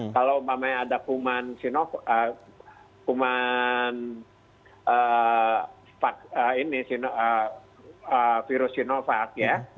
kalau umpamanya ada kuman kuman virus sinovac ya